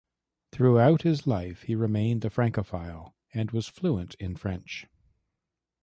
Throughout his life he remained a francophile and was fluent in French.